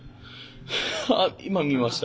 あ今見ました。